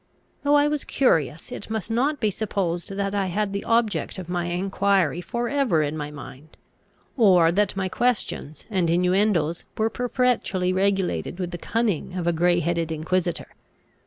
Though I was curious, it must not be supposed that I had the object of my enquiry for ever in my mind, or that my questions and innuendoes were perpetually regulated with the cunning of a grey headed inquisitor.